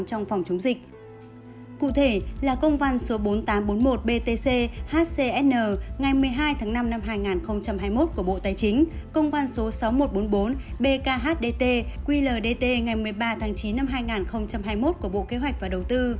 cụ thể là công văn số bốn nghìn tám trăm bốn mươi một btc hcn ngày một mươi hai tháng năm năm hai nghìn hai mươi một của bộ tài chính công văn số sáu nghìn một trăm bốn mươi bốn bkhdt qldt ngày một mươi ba tháng chín năm hai nghìn hai mươi một của bộ kế hoạch và đầu tư